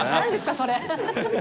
それ。